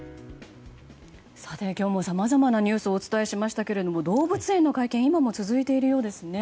今日もさまざまなニュースをお伝えしましたが動物園の会見が今も続いているようですね。